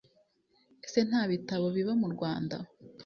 Ese ntabitabo biba mu Rwanda